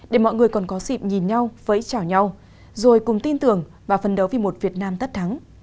để mọi người còn có dịp nhìn nhau với chào nhau rồi cùng tin tưởng và phân đấu vì một việt nam tất thắng